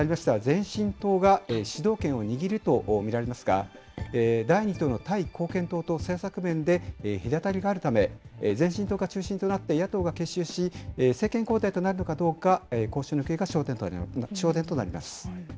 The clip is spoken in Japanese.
前進党が主導権を握ると見られますが、第２党のタイ貢献党と政策面で隔たりがあるため、前進党が中心となって野党が結集し、政権交代となるのかどうか、交渉の行方が焦点となります。